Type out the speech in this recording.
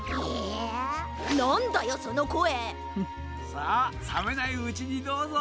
・さあさめないうちにどうぞ！